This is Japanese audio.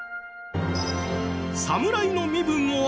侍の身分を与え